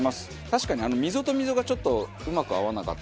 確かに溝と溝がちょっとうまく合わなかったりとか。